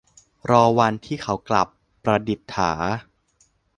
รอวันที่เขากลับ - ประดิษฐา